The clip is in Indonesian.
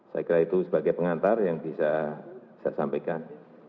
saya kira itu sebagai pengantar yang bisa saya sampaikan